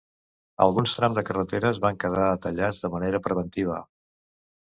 Alguns trams de carreteres van quedar tallats de manera preventiva.